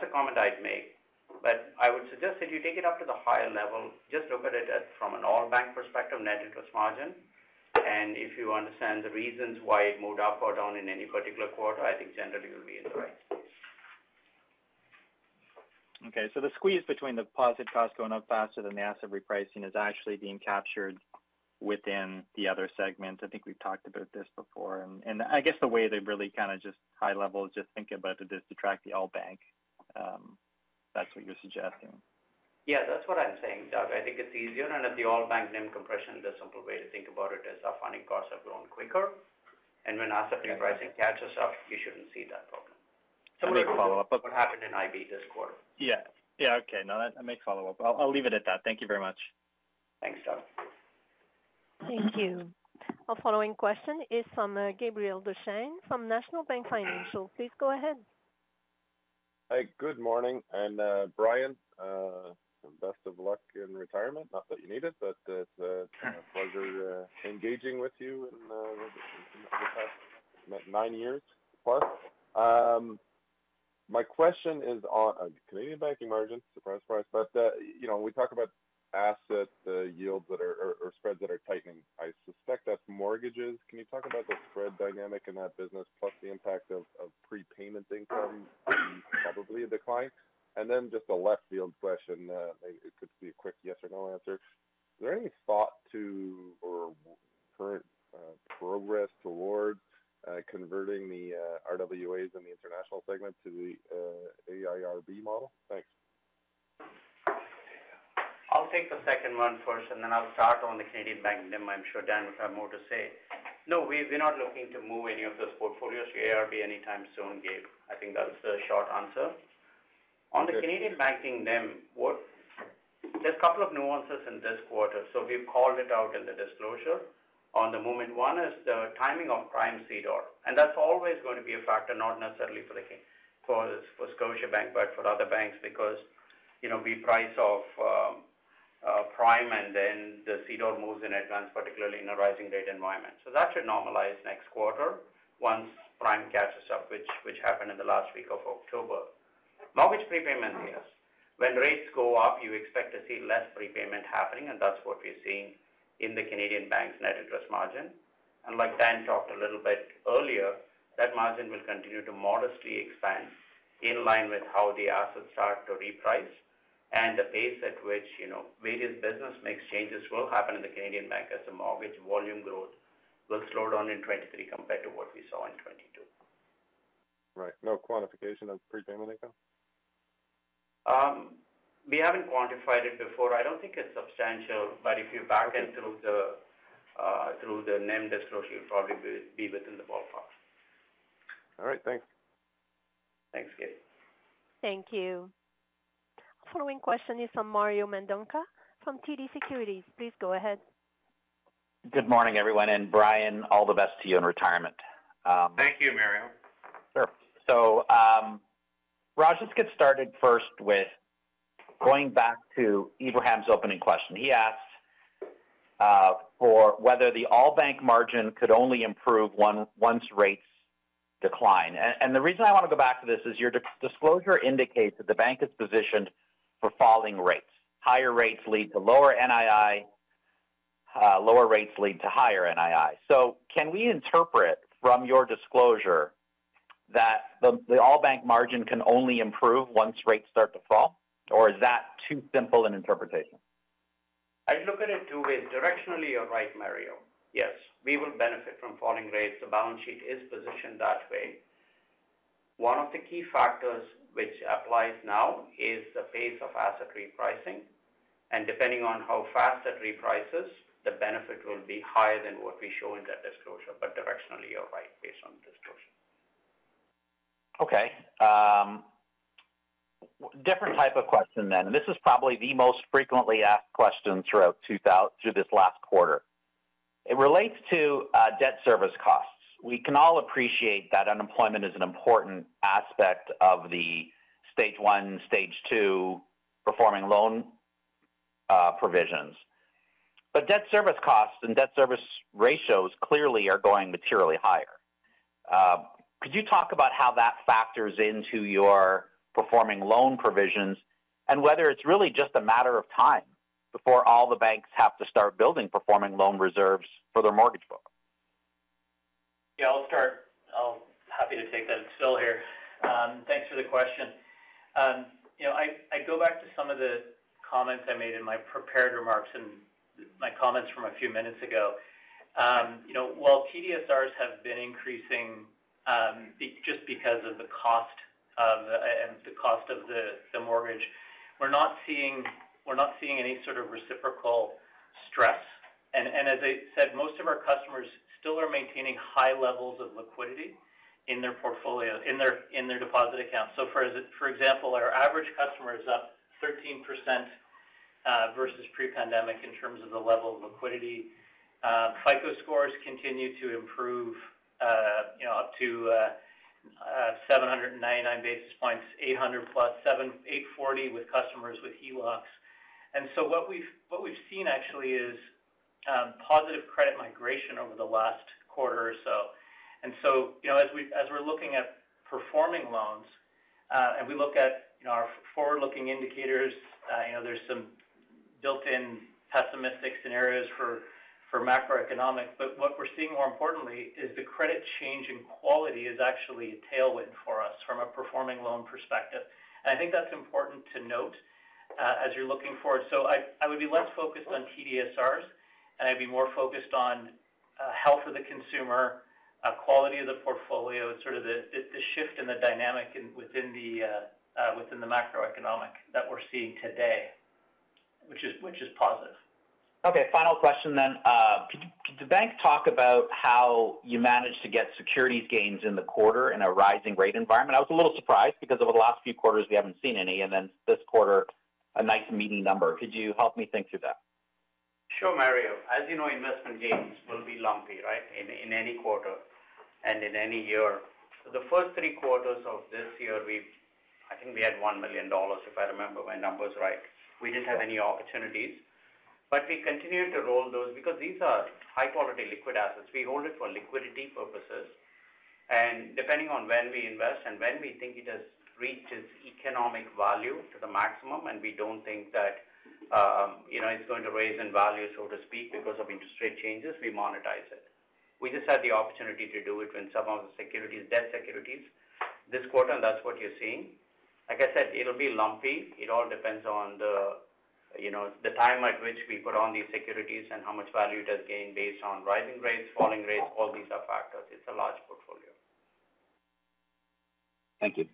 the comment I'd make. I would suggest if you take it up to the higher level, just look at it as from an all bank perspective, net interest margin. If you understand the reasons why it moved up or down in any particular quarter, I think generally you'll be in the right place. Okay. The squeeze between deposit costs going up faster than the asset repricing is actually being captured within the other segments. I think we've talked about this before, and I guess the way they really kind of just high level, just think about it is to track the all bank, that's what you're suggesting. Yeah, that's what I'm saying, Doug. I think it's easier. At the all bank NIM compression, the simple way to think about it is our funding costs have grown quicker. When asset repricing catches up, you shouldn't see that problem. Let me follow up. What happened in IB this quarter? Yeah. Yeah. Okay. No, that, I may follow up. I'll leave it at that. Thank you very much. Thanks, Doug. Thank you. Our following question is from Gabriel Dechaine from National Bank Financial. Please go ahead. Hey, good morning. Brian, best of luck in retirement. Not that you need it, but it's a pleasure engaging with you in the past nine years plus. My question is on Canadian Banking margins, surprise. you know, when we talk about asset yields or spreads that are tightening, I suspect that's mortgages. Can you talk about the spread dynamic in that business, plus the impact of prepayment income probably decline? Just a left field question. Maybe it could be a quick yes or no answer. Is there any thought to or current progress towards converting the RWAs in the International Segment to the AIRB model? Thanks. I'll take the second one first. I'll start on the Canadian banking NIM. I'm sure Dan will have more to say. We're not looking to move any of those portfolios to AIRB anytime soon, Gabe. I think that's the short answer. On the Canadian banking NIM, there's a couple of nuances in this quarter. We've called it out in the disclosure. On the moment one is the timing of Prime-CDOR, that's always going to be a factor, not necessarily for Scotiabank, but for other banks, because, you know, we price off prime and then the CDOR moves in advance, particularly in a rising rate environment. That should normalize next quarter once prime catches up, which happened in the last week of October. Mortgage prepayment, yes. When rates go up, you expect to see less prepayment happening. That's what we're seeing in the Canadian bank's net interest margin. Like Dan Rees talked a little bit earlier, that margin will continue to modestly expand in line with how the assets start to reprice and the pace at which, you know, various business mix changes will happen in the Canadian bank as the mortgage volume growth will slow down in 23 compared to what we saw in 22. Right. No quantification on prepayment income? We haven't quantified it before. I don't think it's substantial, but if you back end through the NIM disclosure, you'll probably be within the ballpark. All right. Thanks. Thanks, Gabe. Thank you. Following question is from Mario Mendonca from TD Securities. Please go ahead. Good morning, everyone. Brian, all the best to you in retirement. Thank you, Mario. Sure. Raj, let's get started first with going back to Ebrahim's opening question. He asked for whether the all bank margin could only improve once rates decline. The reason I want to go back to this is your disclosure indicates that the bank is positioned for falling rates. Higher rates lead to lower NII, lower rates lead to higher NII. Can we interpret from your disclosure that the all bank margin can only improve once rates start to fall, or is that too simple an interpretation? I look at it two ways. Directionally, you're right, Mario. Yes, we will benefit from falling rates. The balance sheet is positioned that way. One of the key factors which applies now is the pace of asset repricing. Depending on how fast that reprices, the benefit will be higher than what we show in that disclosure. Directionally, you're right based on the disclosure. Okay. Different type of question then. This is probably the most frequently asked question through this last quarter. It relates to debt service costs. We can all appreciate that unemployment is an important aspect of the stage one, stage two performing loan provisions. Debt service costs and debt service ratios clearly are going materially higher. Could you talk about how that factors into your performing loan provisions and whether it's really just a matter of time before all the banks have to start building performing loan reserves for their mortgage book? Yeah, I'll start. Happy to take that. I'm still here. Thanks for the question. you know, I go back to some of the comments I made in my prepared remarks and my comments from a few minutes ago. you know, while TDSRs have been increasing, just because of the cost of the mortgage, we're not seeing any sort of reciprocal stress. as I said, most of our customers still are maintaining high levels of liquidity in their portfolio, in their deposit accounts. for example, our average customer is up 13% versus pre-pandemic in terms of the level of liquidity. FICO scores continue to improve, you know, up to 799 basis points, 800+, 840 with customers with HELOCs. What we've seen actually is positive credit migration over the last quarter or so. As we're looking at performing loans, and we look at, you know, our forward-looking indicators, you know, there's some built-in pessimistic scenarios for macroeconomics. What we're seeing more importantly is the credit change in quality is actually a tailwind for us from a performing loan perspective. I think that's important to note, as you're looking forward. I would be less focused on TDSRs, and I'd be more focused on health of the consumer, quality of the portfolio, sort of the shift in the dynamic within the, within the macroeconomic that we're seeing today, which is positive. Okay. Final question. Could the bank talk about how you managed to get securities gains in the quarter in a rising rate environment? I was a little surprised because over the last few quarters we haven't seen any, this quarter a nice median number. Could you help me think through that? Sure, Mario. As you know, investment gains will be lumpy, right, in any quarter and in any year. The first three quarters of this year, we've I think we had 1 million dollars, if I remember my numbers right. We didn't have any opportunities. We continue to roll those because these are high-quality liquid assets. We hold it for liquidity purposes. Depending on when we invest and when we think it has reached its economic value to the maximum, and we don't think that, you know, it's going to raise in value, so to speak, because of interest rate changes, we monetize it. We just had the opportunity to do it when some of the securities, debt securities this quarter, and that's what you're seeing. Like I said, it'll be lumpy. It all depends on the, you know, the time at which we put on these securities and how much value it has gained based on rising rates, falling rates, all these are factors. It's a large portfolio. Thank you.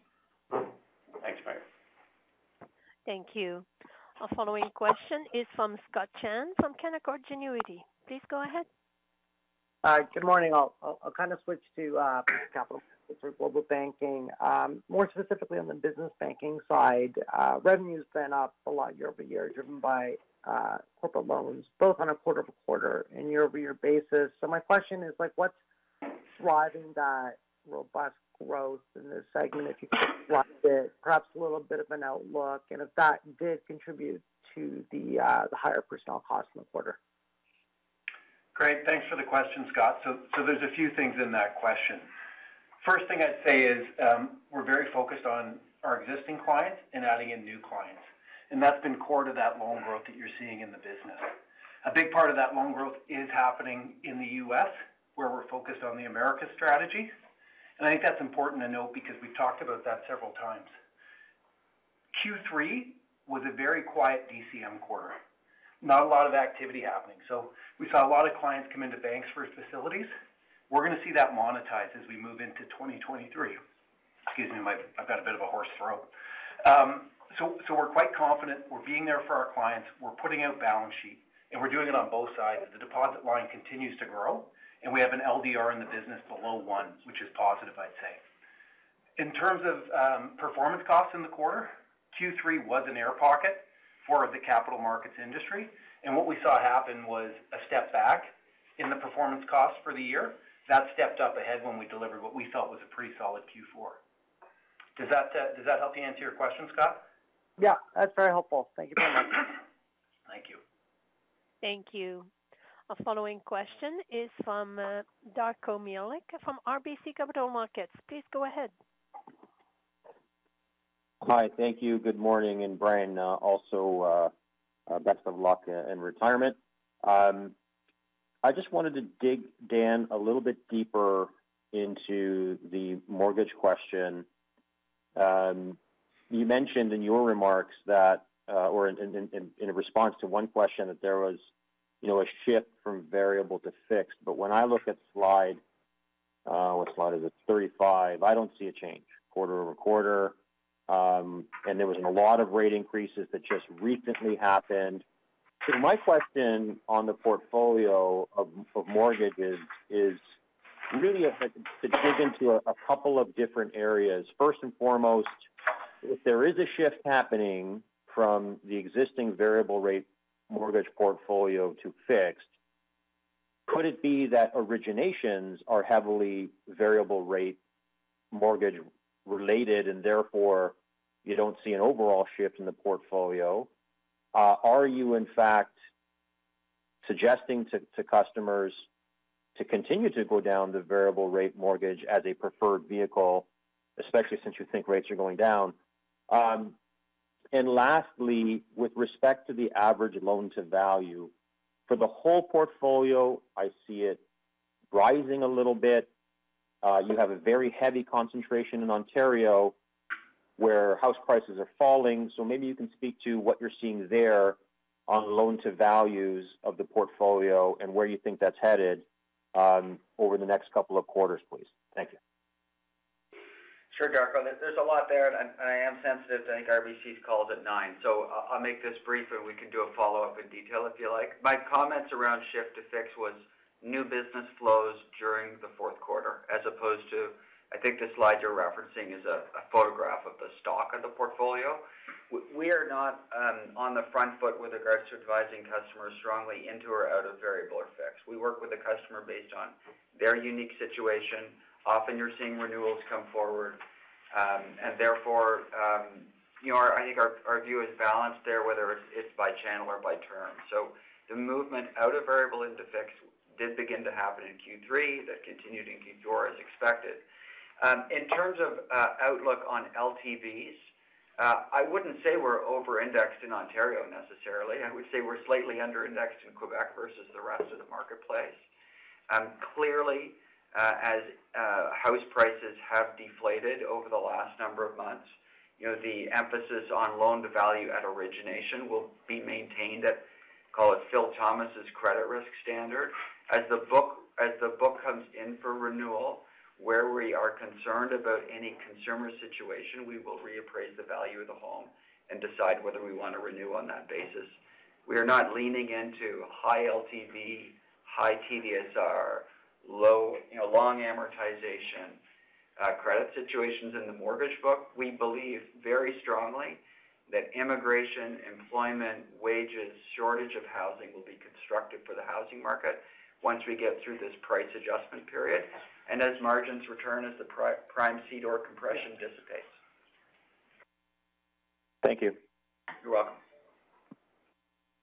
Thanks, Mario. Thank you. Our following question is from Scott Chan from Canaccord Genuity. Please go ahead. Good morning. I'll kind of switch to capital for global banking, more specifically on the business banking side. Revenue's been up a lot year-over-year, driven by corporate loans, both on a quarter-over-quarter and year-over-year basis. My question is like, what's driving that robust growth in this segment, if you could walk through it? Perhaps a little bit of an outlook, and if that did contribute to the higher personnel costs in the quarter. Great. Thanks for the question, Scott. There's a few things in that question. First thing I'd say is, we're very focused on our existing clients and adding in new clients, and that's been core to that loan growth that you're seeing in the business. A big part of that loan growth is happening in the U.S., where we're focused on the America strategy. I think that's important to note because we've talked about that several times. Q3 was a very quiet DCM quarter. Not a lot of activity happening. We saw a lot of clients come into banks first facilities. We're gonna see that monetize as we move into 2023. Excuse me, I've got a bit of a hoarse throat. We're quite confident we're being there for our clients. We're putting out balance sheet. We're doing it on both sides. The deposit line continues to grow. We have an LDR in the business below one, which is positive, I'd say. In terms of performance costs in the quarter, Q3 was an air pocket for the capital markets industry. What we saw happen was a step back in the performance cost for the year. That stepped up ahead when we delivered what we felt was a pretty solid Q4. Does that help you answer your question, Scott? Yeah. That's very helpful. Thank you very much. Thank you. Thank you. Our following question is from Darko Mihelic from RBC Capital Markets. Please go ahead. Hi. Thank you. Good morning. Brian, also, best of luck in retirement. I just wanted to dig, Dan, a little bit deeper into the mortgage question. You mentioned in your remarks that, or in response to one question that there was, you know, a shift from variable to fixed. When I look at slide, what slide is it? 35, I don't see a change quarter-over-quarter. There wasn't a lot of rate increases that just recently happened. My question on the portfolio of mortgages is really to dig into a couple of different areas. First and foremost, if there is a shift happening from the existing variable rate mortgage portfolio to fixed, could it be that originations are heavily variable rate mortgage related and therefore you don't see an overall shift in the portfolio? Are you in fact suggesting to customers to continue to go down the variable rate mortgage as a preferred vehicle, especially since you think rates are going down? Lastly, with respect to the average loan to value, for the whole portfolio, I see it rising a little bit. You have a very heavy concentration in Ontario, where house prices are falling. Maybe you can speak to what you're seeing there on loan to values of the portfolio and where you think that's headed over the next couple of quarters, please. Thank you. Sure, Darko. There's a lot there, I am sensitive. I think RBC's call is at nine. I'll make this brief, and we can do a follow-up in detail if you like. My comments around shift to fixed was new business flows during the fourth quarter as opposed to, I think the slide you're referencing is a photograph of the stock of the portfolio. We are not on the front foot with regards to advising customers strongly into or out of variable or fixed. We work with the customer based on their unique situation. Often you're seeing renewals come forward. Therefore, you know, I think our view is balanced there, whether it's by channel or by term. The movement out of variable into fixed did begin to happen in Q3. That continued in Q4 as expected. In terms of outlook on LTVs, I wouldn't say we're over-indexed in Ontario necessarily. I would say we're slightly under-indexed in Quebec versus the rest of the marketplace. Clearly, as house prices have deflated over the last number of months, you know, the emphasis on loan-to-value at origination will be maintained at, call it Phil Thomas' credit risk standard. As the book comes in for renewal, where we are concerned about any consumer situation, we will reappraise the value of the home and decide whether we want to renew on that basis. We are not leaning into high LTV High TDSR, low, you know, long amortization, credit situations in the mortgage book. We believe very strongly that immigration, employment, wages, shortage of housing will be constructive for the housing market once we get through this price adjustment period and as margins return as the Prime-CDOR compression dissipates. Thank you. You're welcome.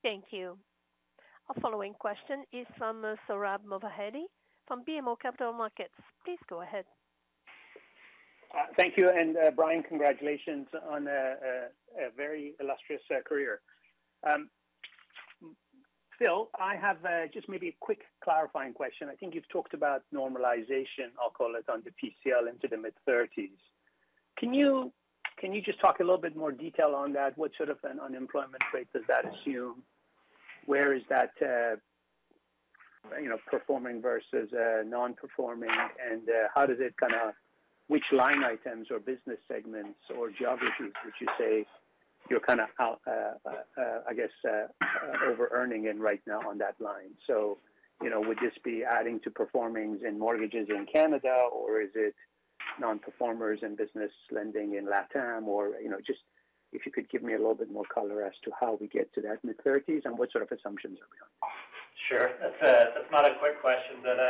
Thank you. Our following question is from Sohrab Movahedi from BMO Capital Markets. Please go ahead. Thank you. Brian, congratulations on a very illustrious career. Phil, I have just maybe a quick clarifying question. I think you've talked about normalization, I'll call it, on the PCL into the mid-30s. Can you just talk a little bit more detail on that? What sort of an unemployment rate does that assume? Where is that, you know, performing versus non-performing? How does it Which line items or business segments or geographies would you say you're kind of out, I guess, overearning in right now on that line? You know, would this be adding to performings and mortgages in Canada, or is it non-performers and business lending in LatAm? you know, just if you could give me a little bit more color as to how we get to that mid-30s and what sort of assumptions are we on? Sure. That's, that's not a quick question, but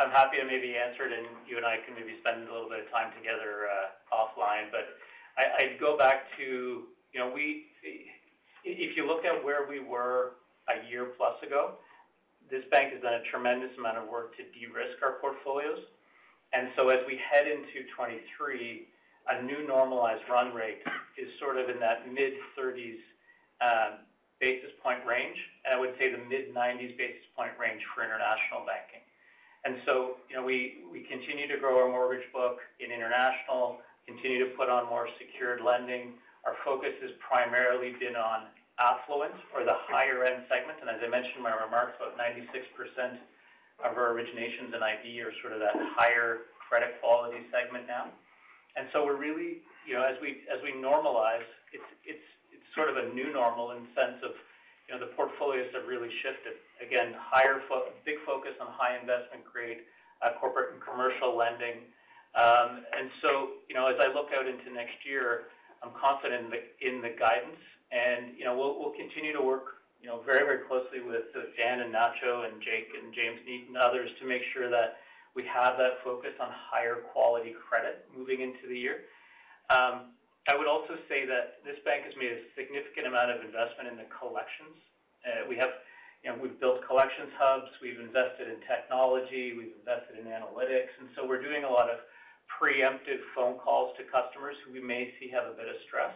I'm happy to maybe answer it, and you and I can maybe spend a little bit of time together, offline. I'd go back to, you know, we-- If you look at where we were a year plus ago, this bank has done a tremendous amount of work to de-risk our portfolios. As we head into 2023, a new normalized run rate is sort of in that mid-30 basis point range, and I would say the mid-90 basis point range for International Banking. You know, we continue to grow our mortgage book in international, continue to put on more secured lending. Our focus has primarily been on affluence or the higher end segments. As I mentioned in my remarks, about 96% of our originations in IB are sort of that higher credit quality segment now. We're really, you know, as we, as we normalize, it's, it's sort of a new normal in the sense of, you know, the portfolios have really shifted. Again, higher big focus on high investment grade corporate and commercial lending. You know, as I look out into next year, I'm confident in the, in the guidance. You know, we'll continue to work, you know, very, very closely with Dan and Nacho and Jake and James Neate and others to make sure that we have that focus on higher quality credit moving into the year. I would also say that this bank has made a significant amount of investment in the collections. We have, you know, we've built collections hubs, we've invested in technology, we've invested in analytics, and so we're doing a lot of preemptive phone calls to customers who we may see have a bit of stress.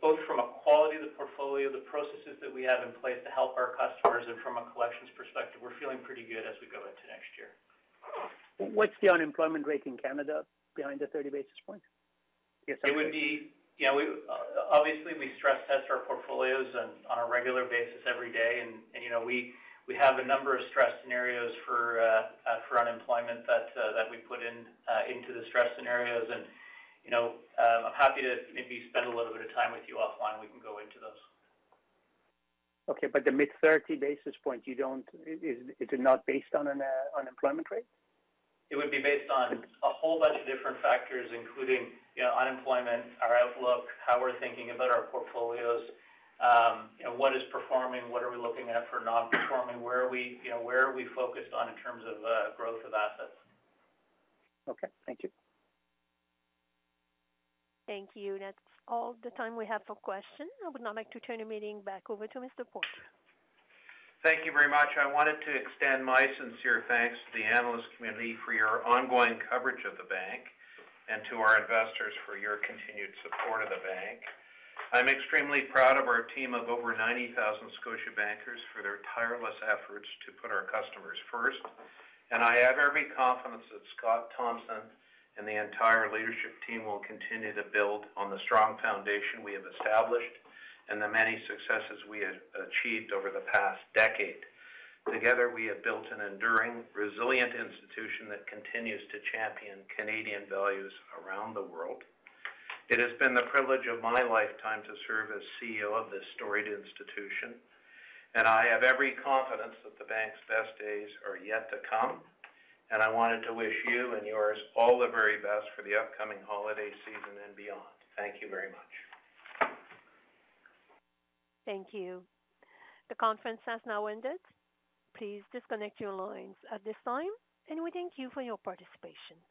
Both from a quality of the portfolio, the processes that we have in place to help our customers, and from a collections perspective, we're feeling pretty good as we go into next year. What's the unemployment rate in Canada behind the 30 basis points? It would be, you know. Obviously, we stress test our portfolios on a regular basis every day. You know, we have a number of stress scenarios for unemployment that we put in into the stress scenarios. You know, I'm happy to maybe spend a little bit of time with you offline. We can go into those. Okay, but the mid-30 basis point, you don't. Is it not based on an unemployment rate? It would be based on a whole bunch of different factors, including, you know, unemployment, our outlook, how we're thinking about our portfolios, you know, what is performing, what are we looking at for non-performing, where are we, you know, where are we focused on in terms of growth of assets. Okay. Thank you. Thank you. That's all the time we have for questions. I would now like to turn the meeting back over to Mr. Phil. Thank you very much. I wanted to extend my sincere thanks to the analyst community for your ongoing coverage of the bank and to our investors for your continued support of the bank. I'm extremely proud of our team of over 90,000 Scotiabankers for their tireless efforts to put our customers first. I have every confidence that Scott Thomson and the entire leadership team will continue to build on the strong foundation we have established and the many successes we have achieved over the past decade. Together, we have built an enduring, resilient institution that continues to champion Canadian values around the world. It has been the privilege of my lifetime to serve as CEO of this storied institution, and I have every confidence that the bank's best days are yet to come. I wanted to wish you and yours all the very best for the upcoming holiday season and beyond. Thank you very much. Thank you. The conference has now ended. Please disconnect your lines at this time, and we thank you for your participation.